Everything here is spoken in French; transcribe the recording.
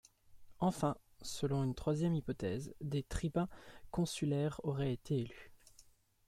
Enfin, selon une troisième hypothèse, des tribuns consulaires auraient été élus.